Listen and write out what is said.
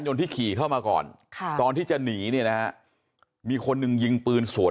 ที่ขี่เข้ามาก่อนค่ะตอนที่จะหนีเนี่ยนะฮะมีคนหนึ่งยิงปืนสวน